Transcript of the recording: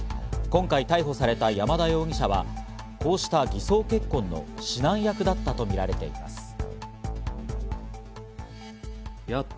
今回逮捕された山田容疑者はこうした偽装結婚の指南役だったとみられています。